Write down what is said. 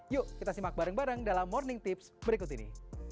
yuk kita simak bareng bareng dalam morning tips berikut ini